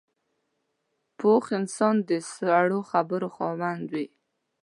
پوخ انسان د سړو خبرو خاوند وي